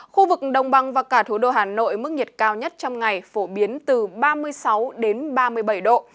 khu vực đồng bằng và cả thủ đô hà nội mức nhiệt cao nhất trong ngày phổ biến từ ba mươi sáu ba mươi bảy độ